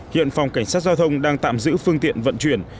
hiện phòng cảnh sát giao thông đang tạm giữ phương tiện vận chuyển